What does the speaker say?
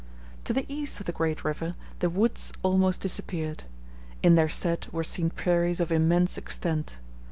To the east of the great river, the woods almost disappeared; in their stead were seen prairies of immense extent.